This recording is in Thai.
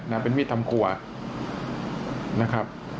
เป็นมีดทำครัวนะครับ